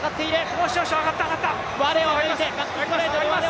よしよし、上がった、上がった！